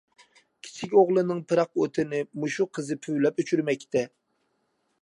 كىچىك ئوغلىنىڭ پىراق ئوتىنى مۇشۇ قىزى پۈۋلەپ ئۆچۈرمەكتە.